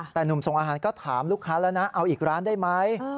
แต่หนุ่มส่งอาหารก็ถามลูกค้าแล้วนะเอาอีกร้านได้ไหม